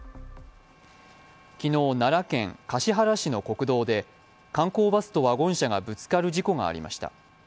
昨日、奈良県橿原市の国道で観光バスとワゴン車がぶつかる事故がありました。